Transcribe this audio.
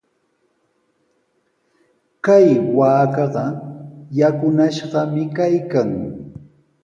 Kay waakaqa yakunashqami kaykan.